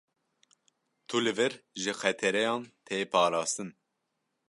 Tu li vir ji xetereyan tê parastin.